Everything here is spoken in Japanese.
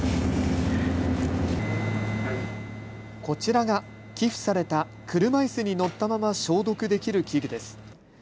こちらが寄付された車いすに乗ったまま消毒できる器具です。